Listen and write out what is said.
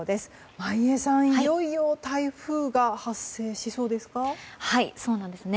眞家さん、いよいよ台風が発生しそうですか？